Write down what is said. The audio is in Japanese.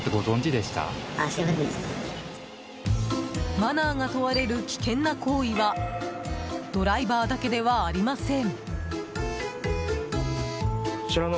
マナーが問われる危険な行為はドライバーだけではありません。